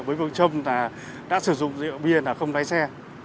với phương châm là đã sử dụng rượu bia là không lái xe